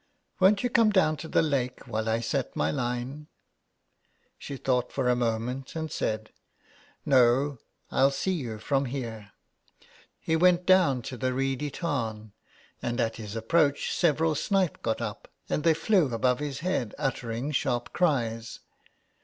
" Won't you come down to the lake while I set my line?" She thought for a moment and said :— 164 HOME SICKNESS. "No, I'll see you from here." He went down to the reedy tarn^ and at his ap proach several snipe got up, and they flew above his head uttering sharp cries.